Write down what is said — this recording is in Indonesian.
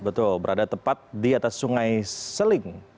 betul berada tepat di atas sungai seling